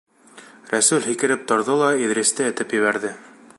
Рәсүл һикереп торҙо ла Иҙристе этәп ебәрҙе.